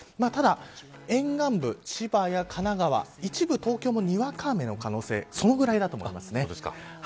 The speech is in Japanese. ただ沿岸部、千葉や神奈川一部東京も、にわか雨の可能性そのぐらいだと思います。